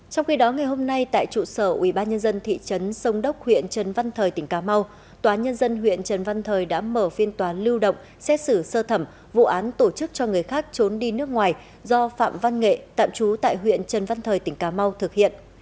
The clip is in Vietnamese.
trong khi đó ngày hôm nay tại trụ sở ubnd thị trấn sông đốc huyện trần văn thời tỉnh cà mau tòa nhân dân huyện trần văn thời đã mở phiên tòa lưu động xét xử sơ thẩm vụ án tổ chức cho người khác trốn đi nước ngoài do phạm văn nghệ tạm trú tại huyện trần văn thời tỉnh cà mau thực hiện